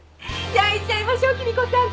焼いちゃいましょ君子さんこれ。